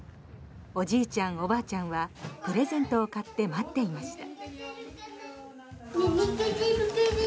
おじいちゃん、おばあちゃんはプレゼントを買って待っていました。